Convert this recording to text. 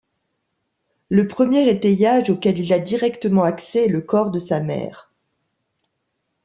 Le premier étayage auquel il a directement accès est le corps de sa mère.